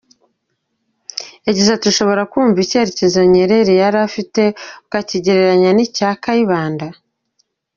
Yagize ati: ”…ushobora kumva icyerekezo Nyerere yari afite ukakigereranya n’icya Kayibanda.